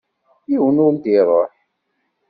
Yiwen ur d-iṛuḥ.